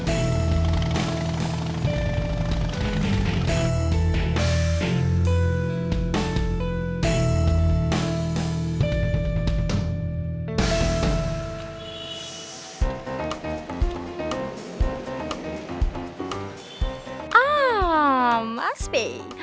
ah mas pei